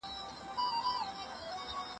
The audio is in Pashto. که شونې وه نو هغه علتونه ژر لېرې کړئ.